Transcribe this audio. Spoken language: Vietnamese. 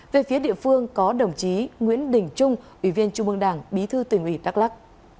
về phía địa phương có đồng chí nguyễn đình trung ủy viên trung mương đảng bí thư tỉnh ủy đắk lắc